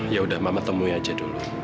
ya udah mama temui aja dulu